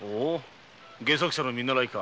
戯作者の見習いか。